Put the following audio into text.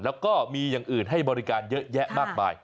แล้วก็มีอย่างอื่นให้บริการเยอะแยะมากมาย